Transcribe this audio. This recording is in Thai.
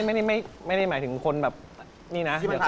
แต่ว่าไม่ได้หมายถึงคนแบบนี่นะ